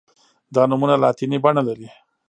دا نومونه لاتیني بڼه لري.